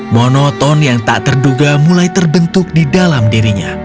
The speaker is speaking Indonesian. monoton yang tak terduga mulai terbentuk di dalam dirinya